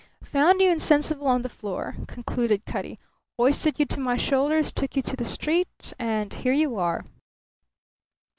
"Found you insensible on the floor," concluded Cutty, "hoisted you to my shoulders, took you to the street and here you are!"